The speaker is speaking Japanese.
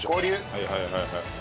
はいはいはいはい。